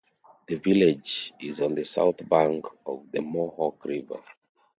The village is on the south bank of the Mohawk River.